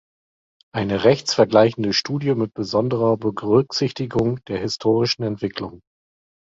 Eine rechtsvergleichende Studie mit besonderer Berücksichtigung der historischen Entwicklung.